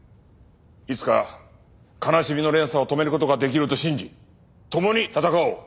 いつか悲しみの連鎖を止める事ができると信じ共に闘おう。